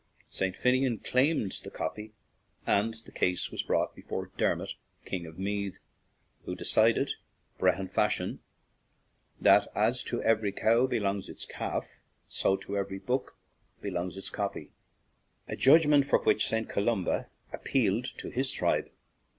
St. Finnian claimed the copy, and the case was brought before Dermot, King of Meath, who de cided, Brehon fashion, that as "to every cow belongs its calf, so to every book be longs its copy/' a judgment from which St. Columba appealed to his tribe.